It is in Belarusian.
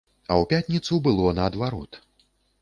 А ў пятніцу было наадварот.